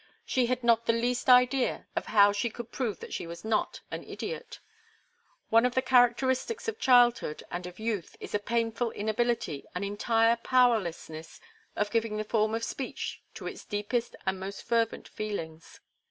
She had not the least idea of how she could prove that she was not an idiot. One of the characteristics of childhood and of youth is a painful inability, an entire powerlessness of giving the form of speech to its deepest and most fervent feelings.